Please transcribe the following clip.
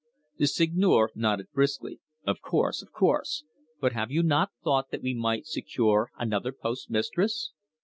The Seigneur nodded briskly. "Of course, of course. But have you not thought that we might secure another postmistress?"